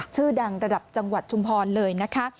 ชื่อดังระดับจังหวัดชุมพรเลยนะคะ